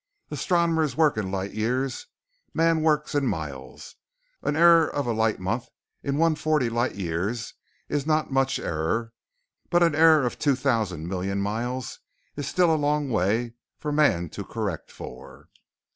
Astronomers work in light years, man works in miles. An error of a 'light month' in one forty light years is not much error, but an error of 2,000 million miles is still a long way for man to correct for.